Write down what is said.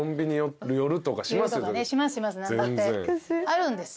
あるんですよ。